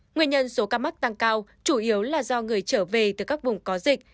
nguyên nhân số ca mắc tăng cao chủ yếu là do người trở về từ các vùng có dịch